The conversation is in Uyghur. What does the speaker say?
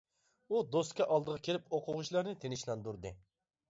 ئۇ دوسكا ئالدىغا كېلىپ ئوقۇغۇچىلارنى تىنچلاندۇردى.